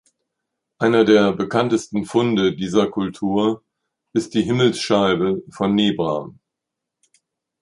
Einer der bekanntesten Funde dieser Kultur ist die Himmelsscheibe von Nebra.